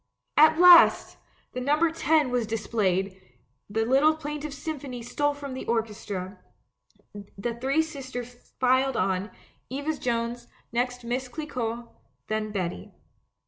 At last! The number '10' was dis played; the little plaintive symphony stole from the orchestra, the three girls filed on — Eva Jones, next JVIiss Clicquot, then Betty.